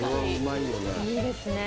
いいですね。